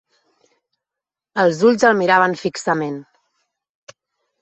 Els ulls el miraven fixament.